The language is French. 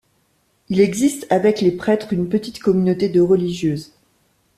Il existe avec les prêtres, une petite communauté de religieuses.